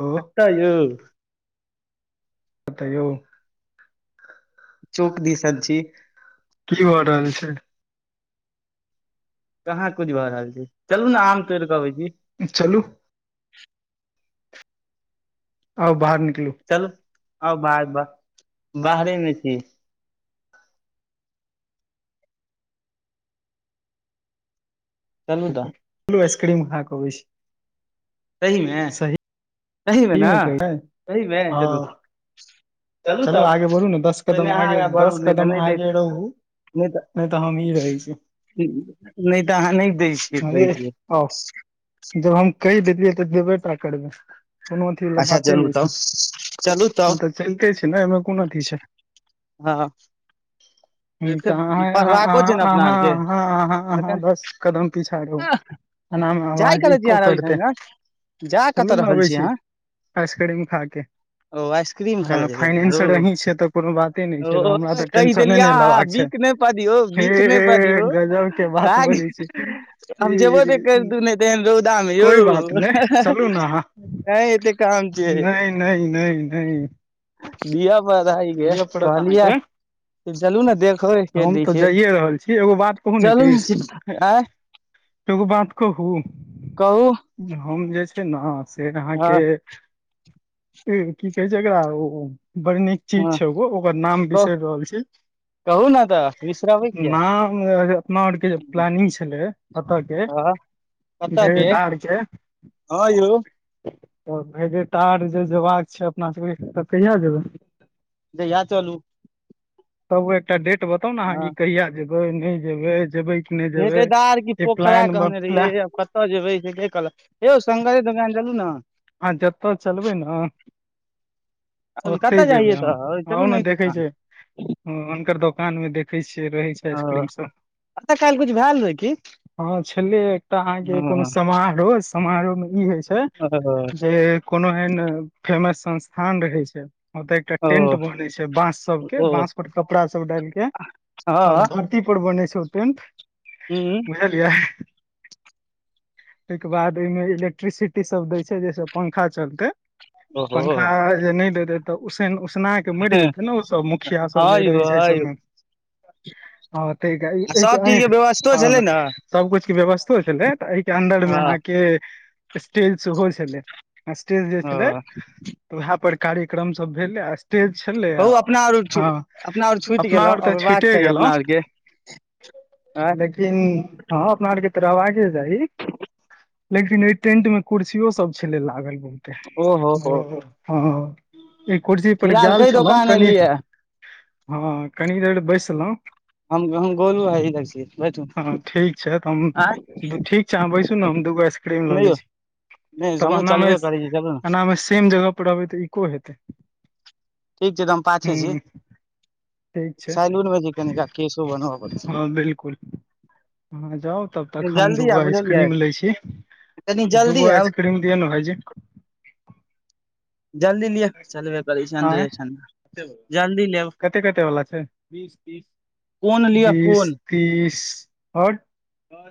ओ कक्त यौ कहियौ चौक दिसन छी की भऽ रहल छै कहाँ कुछ भऽ रहल छै चलू ने आम तोड़ कऽ अबै छी [unintelligible] चलू आउ बाहर निकलू चलू आउ बाहर ब बाहरे मे छी चलू तऽ चलू आइसक्रीम खा कऽअबै छी सही मे सही सहि ने मे सही मे कहियै ह चलू चलू चलो तब आगे बरहू ने दस पहिने कदम अहाँ आगे आगाँ बढ़ू दस नहि तऽ कदम नहि दैत आगे रहू नय तऽ हमी रहै छी नहि तऽ अहाँ नहि दै छियै कहै छियै आउ जब हम कहि देलियै तऽ जेबे टा करबै कोनो अथी बला अच्छा बाते चलू नय तब चलू छै तब तऽ चलिते छी न एहिमे कोन अथी छै हँ [inaudible] हूं तऽ आहाँ आहाँ पढ़बाको छै ने अपना आहाँ आरके आहाँ आहाँ आहाँ एखन दस कदम पीछा रहू अनामे जाय अवाजे करै छी इको अहाँ रवि करितै शंकर जा कतय रहल छी अहाँ? आइसक्रीम खाके ओ आइसक्रीम खाय हॅं, लए जेलियै अपना फाइनेंसर रौ अहीं छियै तॅं कोनो बात- -ते नहि ओ छै हमरा तॅं कहि टेंशने देलियै नहि अहाँ लेबाक छै। बिक नहि पदियौ हे बिक नहि पदियौ गजबके बात राग बजै छी! [unintelligible] हम जेबो नहि करितू नहि तऽ एहन रौदामे यौ कोइ बात नहि चलू ने अहाँ! नहि एते काम छै नहि नहि नहि नहि, दिअ पड़इ के दिअ पड़त कहलियै अहाँके चलू ने देखो के हम दै तॅं छै जाइए रहल छी, एगो बात कहू चलू नीतीश? ने आँय एगो बात कहू, कहू हम जे छै ने से हँ अहाँकेॅं- की कहै छै एकरा ओ बड़ नीक- चीज हँ छै ओ, ओकर नाम कह बिसरि रहल छी कहू ने तॅं बिसरबै- किया नाम अपना आरके जे प्लानिंग छलै ओतय के- हँ कतऽ के भेंट आर के- हँ यौ! तॅं भेजेटार जे जेयबाक छै अपना सबके तॅं कहिया जेबै? जहिया चलू, तबो एकटा डेट बताउ ने अहाँ, हँ की कहिया जेबै नहि जेबै जेबै- कि नहि जेबै [unintelligible] की ई पोखरा प्लान कहने रहियै प्लान आब- कतय जेबै से कहलक, यौ शंकरे दोकान चलू ने! अहाॅं जतय चलबै ने- अभी ओतहि कतऽ जेबै जाइये हम, तऽ आउ चलू ने ई देखै दुकान छै! हॅं हुनकर दोकानमे देखैत छियै, रहै छै ओ आइसक्रीम सब। एतऽ काल्हि किछु भेल रहै की हँ छलै एकटा अहाँकेॅं कोनो हँ समारोह। समारोहमे ई होइ छै ओ जे कोनो एहेन फेमस संस्थान रहै छै। ओतय एकटा टेंट बन छै बांस सबके, ओ बांस पर कपड़ा सब डालिके आओर हँ धरती धरती पर बने छै टेन्ट, हूँ बुझलियै? तकर बाद एहिमे इलेक्ट्रिसिटी सभ दै जाहिसॅं पंखा चलतै, ओहो पंखा जॅं नहि देतै तॅं उसैन, उसना- मरि जेतै ने ओ सब, मुखिया सब जे हँ रहै यौ छै एहि हँ यौ सभमे हॅं तँ, सब चीज के व्यवस्थो छलै [unintelligible] ने [unintelligible] सब कुछके व्यवस्थो छलै तॅं एहिके अन्दरमे हँ अहाँकेॅं स्टेज सेहो छलै। स्टेज जे ओ छलै तॅं वैहे पर कार्यक्रम सब भेलै आ- तेज छलै, कहू अपना आर आब अपना आर हँ अपना आर तॅं छुइटे गेलहुॅं ऐं! लेकिन हॅं, अपना आरकेॅं तॅं रहबाके चाही, लेकिन एहि टेंटमे कुर्सियो सब- छलै लागल ओतहि, ओहो हो हँ [unintelligible] ओहि कुर्सी पर फिलहाल गेल कै छलहुँ, दोकान कनि एलियै हँ कनि देर बैसलहुँ- हम हम गोलू है इधर छी बैठू हँ ठीक छै तॅं हम आँय ठीक- नीचाँमे बैसू न हम दू गो आइसक्रीम लऽ नहि लै यौ छी। नहि तब हमहुँ एनामे, चलबे करै छी चलू ने एनामे सेम जगह पर रहबै तॅं इको हेतै- ठीक छै तॅं हम पाछे छी। हूँ ठीक छै सैलूनमे छी कनिका कऽ केशो बनबऽ पड़ हँ बिलकुल अहाँ जाउ तब तक हम दूगो बुझलियै आइसक्रीम लै छी, कनी जल्दी दूगो आब आइसक्रीम पेन दिअऽ ने भाइजी, जल्दी लिअ, चलबे करै छै अन्दरे ठंडाए जल्दी लेब- कते-कते वला छै? बीस, तीस, कोन लिअ बीस- कोन तीस आओर आओर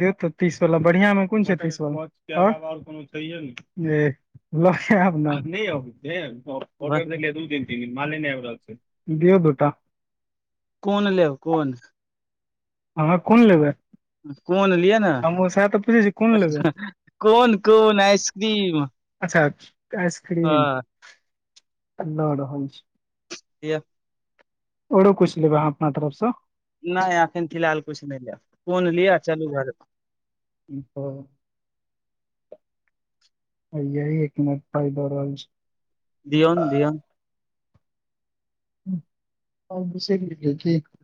दे तऽ तीस वला बढ़िआं मे कोन छै तीस वाला आओर इ जे [unintelligible] लऽ कऽ एब न [unintelligible] ऑर्डर देलियै दू दिन तीन दिन माले नय आइब रहल छै दियौ दूटा कोन लेब कोन अहाँ कोन लेबै कोन लिअ ने हमहूँ सएह तऽ पूछै छी कोन लेबै कोन कोन आइसक्रीम अच्छा हँ आइसक्रीम लऽ रहल छी [unintelligible] आओरो कुछ लेबै अहाँ अपना तरफ सँ नय एखन फिलहाल कुछ नय लेब कोन लिय चलू घर आओर हैया एक मिनट पाइ दऽ रहल छी दिऔन दिऔन आ दसेके ठ [unintelligible]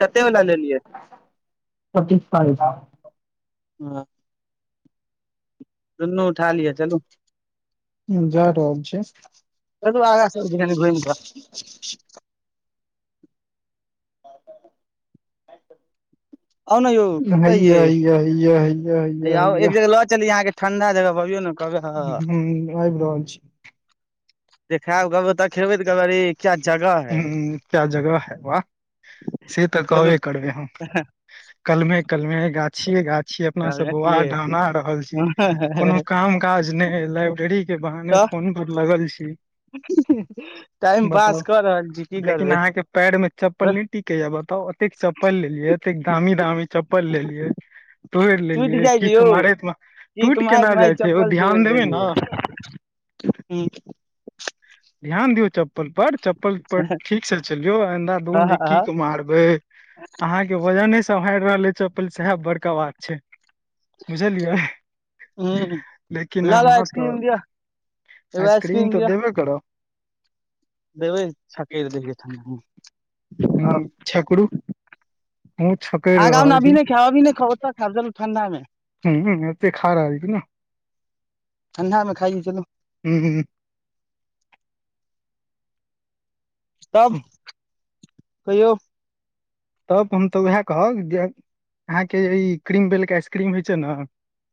कते वला लेलियै [unintelligible] हँ दुन्नू उठा लिअ चलू ह जा रहल छै चलू आगाँ सब कनि घुमि कऽ [unintelligible] आउ न यौ कतऽ हैया हैया हैया हैया यै हैया आउ हैया एक ह जगह लऽ चलि अहाँके ठण्डा जगह पऽ अबियौ ने कहबै हं आबि रहल छी देखायब [unintelligible] तऽ खेबै तऽ कबरी हूं एकटा जगह वाह से तऽ चलू कहबे करबै हम कलमे कलमे गाछिये गाछिये अपना सब बौआ अथिये ढ़हना रहल छी कोनो काम काज नै लाइब्रेरी के बहाने तऽ फोन पर लगल छी [unintelligible] टाइम बताउ पास कऽ रहल छी की लेकिन करबै अहां के परि मे चप्पल बस नय टिकैया बताउ एते चप्पल लेलिय एतेक दामी दामी चप्पल लेलियै तोड़ि टूटि लेलियै जाइ छै किक यौ मारैत मे क [unintelligible] टूटि क मत केना महि जाइ छै ओ चप्पल तोड़ि ध्यान देबै देलियै ने हूं ध्यान दियौ चप् पल पर चप्पल पर ठीक से चलियौ अन्धा ह दून ह जे ह ह कीक मारबै आंहा के वजने सम्हारि रहल अछि चप्पल सएह बड़का बात छै बुझलियै लेकिन लऽ लऽ अहाँ तऽ आइसक्रीम दिअ एगो आइसक्रीम तऽ दिअ देबे करब देबै छकैर देलियै ठंडा मे। [unintelligible] हं छकुरू आगा मे अभी न खाउ अभी खाउ ओत खेब चलू ठंडा मे हूं हूं एतऽ खा रहल छी न ठंडा मे खाइ ले चलु हूं हूं तब कहियौ तब हम तऽ उएह कहब जे अहाँके ई क्रीम बेल के आइसक्रीम होइ छै ने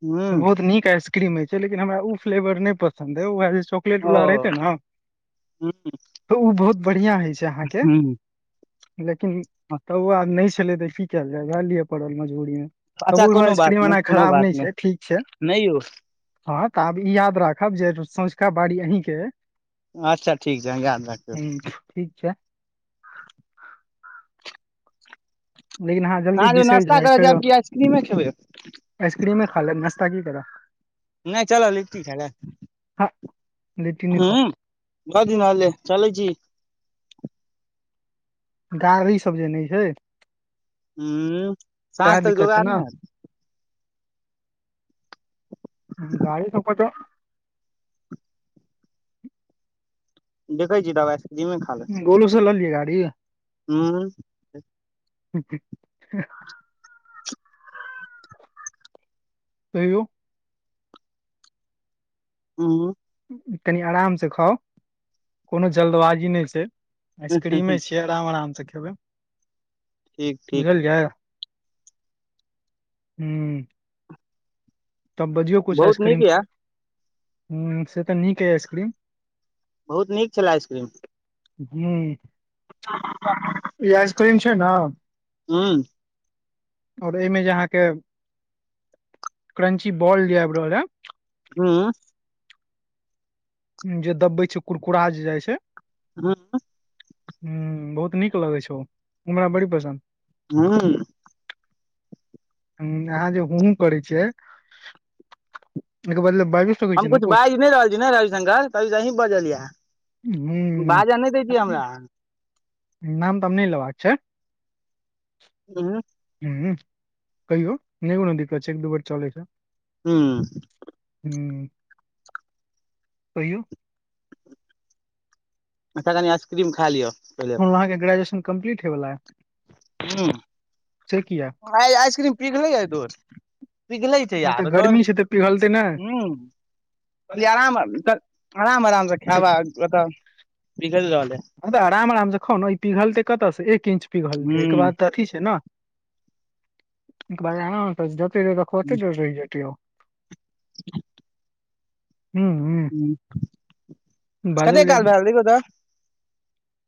ह बहुत नीक आइसक्रीम होइ छै लेकिन हमरा ओ फ्लेवर नय पसन्द अई ऐसे दुआरे सं पेट ओ लहरै तैं ना ह त आहा के लेकिन तब ओ आब नहि छलै तऽ की कयल जायएह लियए पड़ल मजबूरी मे अच्छा तबू भाई कोनो बात आइसक्रीम नहि एना कोनो खराब बात नहि छै ठीक छैय नहि यौ हँ तऽ आब ई याद राखब जे सँंझुका बाड़ी अहींके अच्छा ठीक छै हम धाद राखबै हूँ ठीक छै लेकिन आहा जल्दी साँझ मे बिसर नास्ता करऽ जायछियै जायब कि आइसक्रीमे खेबै आइसक्रीमे खा ले नाश्ता की करब नहि चल लिखट खाय ले हँ लिट्टी नहि हू खाउ भरि धदिनलगी चलै छी गाड़ी सब जे नहि छैय ह साँझ सएह तक दिक्कत छै जोगाड़ ने नहि हेतै गाड़ी सब के त देखै छी दवाइ जिमे गोलू से लऽ लियऐ गाड़ी हूँ तहियौ हँ कनि आराम से खाउ कोनो जल्दबाजी नहि छै आइसक्रीमे छैिय आब आराम से खेबै ठीक ठीक बुझलीयै हू तब बजियौ किछु बहुत आइसक्रीम नीक यऽ पर ह से तऽ नीक यइ आइसक्रीम बहुत नीक छला आइसक्रीम ह ई आइसक्रीम छै ने हँ और ए में जे अहा के क्रंची बॉल जे आब रहल यै हँ जे दबे छै कुरकुरा जे जाइ छै हँ ह बहुत नीक लगै छै हमरा बड़ी पसन्द हू ह अहाँ जेहु हुं हुं करै छियै एक बदल भाविसय हम कु छ बाजि नहि रहल छी ने रविशंकर सब कुछ यहीं बजलीय यै ह बाजा नहि दैछियै हमरा नाम तब नै लेबाक छै हू ह कहियो नहि कोनो दिक्कत छै एक दू बेर चलै छै हू ह कहियौ अख नि आइसक्रीम खा लियअ हाँ ग्रेजुएन कम्पलीटहोय बला आय हँ किया आइसक्रीम पिघले ह धुर पिघले छै हँ, तऽ यारो धुर गर्मी छै तऽ पिघलतै नहि हू अ आराम आराम आराम से खायबा ओतऽ बिघैल रहल हइ हऽ बैस आराम आराम से खौ ने ई पिघलतै कतऽसँ एक इंच पिघलतै एक हूं बाद तऽ अथी छै ने बाज आना त जते रहत त खते ज रहि जत ओ हुॅं हुॅं [inaudible] कते बाजल जाय काल भए गेल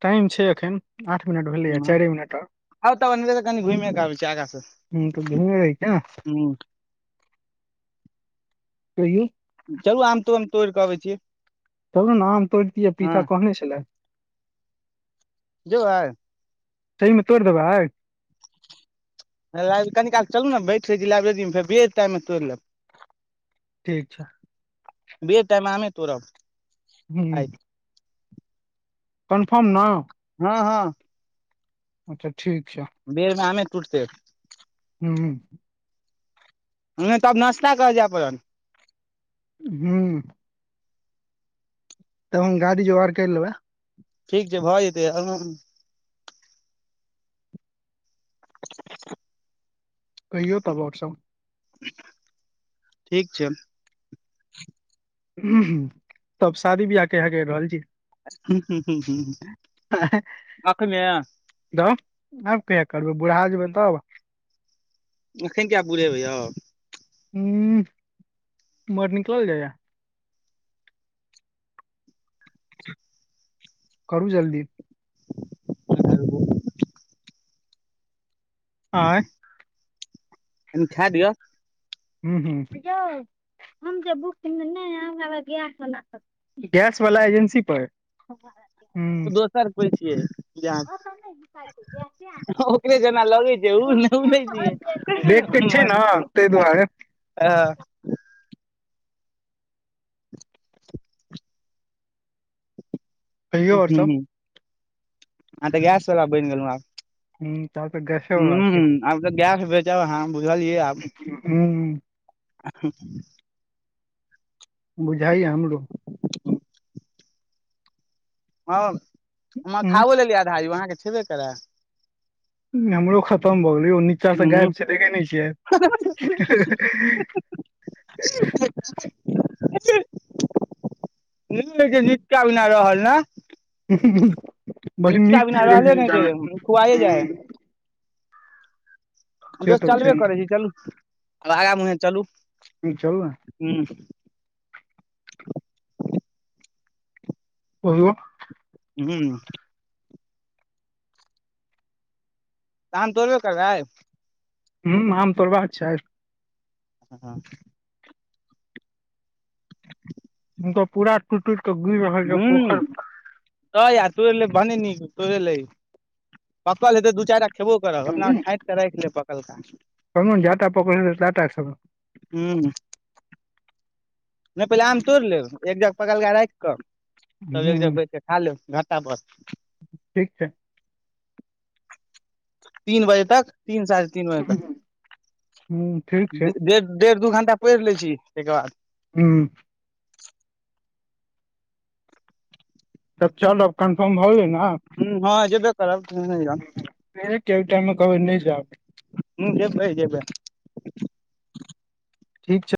टाइम छै एखन आठ मिनट भेलैए चैरे मिनट आ आ तब ओनहरे स कने घुइमे के आबै छै आगा स हूँ तऽ घुमे रही क्या कहियौ चलू आम तोम तोइड़ के अबै छि चलू ने आम तोर तिये पिथा कहने छेला जैबय सही में तोइड़ देबै आय आय यो भाईजी कनी काल चलू ने बैठै रहै छी लाइब्रेरी मे फेर बेर टैम मे तोइड़ लेब ठीक छै बेर टाइम मे आमें तोरब हुॅं कनफर्म न हँ हँ अच्छा ठीक छै बेरमे आमे टूटते हुॅं हमरा त आब नाश्ता करे जेए पड़त हॅं तब हम गाड़ी जोगाड़ कैर लेबै ठीक छै भऽ जेतै [inaudible] कहियौ तब आओर सब ठीक छै हु हु तब शादी बियाह केहैया कैर रहल छी आखने तब आब कहिया करबै बुरहा जेबै तब एखन किया बूढ़ेबे यौ ह उमर निकलल जैय [inaudible] करू जल्दी कनि आँय कनि खा दिअ हु हु यौ हम जे बुक [unintelligible] गैस वाला एजेंसी पर हूँ ओ दोसर कोइ छियै जे अहा लगै छै उ नहि उ नहि छियै [unintelligible] ठीक छी मन न क- तै दुआरे [unintelligible] [inaudible] कहिऔ आओर सब आह तऽ गैस वला बैन गेलौ आब हूँ ता तऽ गैसे वला छै हु आब तऽ गैस बेचब अहाँ बुझलियै आब हू [inaudible] बुझाइय या हमरो हँ हम हूँ खावो लेलियै आधा यौ अहाँके छेबे करा हमरो खतम भऽ गेलै ओ नीच्चा से हूँ गायब छै देखे नय छियै [inaudible] [inaudible] नीक का बिना रहल ने बड़ निचा नीक चीज बिना रहै रहले ने छै नीचा मे जाए खुआइए जाइ है हूँ से दोस्त तऽ छै चलबै हम्म, करै छी चलू आ आगा मुँहे चलू चलू ने हूँ [unintelligible] हूँ [unintelligible] आम तोरब करबे ह आम तोर बा के छै [unintelligible] ह ह पूरा टुट टुट के गिर रहल छै हूँ पोखेर म तऽ यार तोर लैब भने नीक तोर लैव पकल हेतै दू चाइर टा खेबो करब अपना छाँट कऽ राखब पकल का कहलो जे टा पकल हैते ते टा खैबे हूँ नय पहिले आम तोड़ लेब एक जगह पकलगा राख कऽ तब एक जगह हूँ बैठ क खालू घटा भर ठीक छै तीन बजे छै तक तीन साढ़े तीन बजे तक हूँ ठीक छै डेढ़ दू घंटा पैढ़ ले छी तैइ के बाद हूँ तब चलब कन्फर्म भऽ गेलै ने आब ह हँ जेबै करब [inaudible] [inaudible] हूँ जेबै जेबै ठीक छै